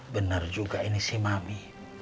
bener juga ini sih mami